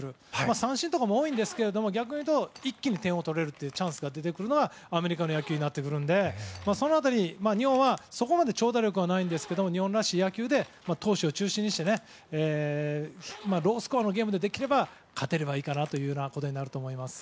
三振とかも多いですが逆に一気に点を取れるチャンスが出てくるのはアメリカの野球になってくるのでその辺り、日本はそこまで長打力はないんですけど日本らしい野球で投手を中心にしてロースコアのゲームで、できれば勝てればいいかなということになるかなと思います。